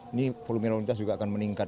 ini volumen lontas juga akan meningkat